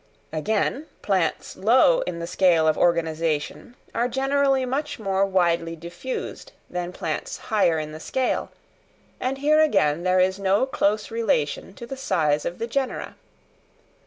Again, plants low in the scale of organisation are generally much more widely diffused than plants higher in the scale; and here again there is no close relation to the size of the genera.